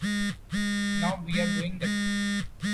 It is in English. Now we're doing that.